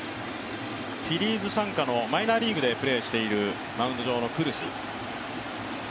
フィリーズ傘下のマイナーリーグでプレーしているマウンド上のクルス。